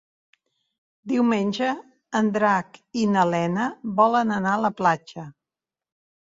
Diumenge en Drac i na Lena volen anar a la platja.